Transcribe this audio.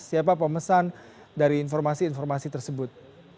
siapa pemesan dari informasi informasi tersebut